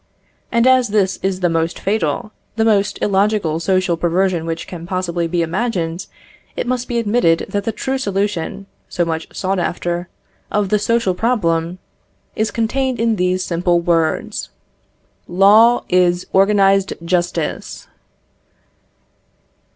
And as this is the most fatal, the most illogical social perversion which can possibly be imagined, it must be admitted that the true solution, so much sought after, of the social problem, is contained in these simple words LAW IS ORGANISED JUSTICE.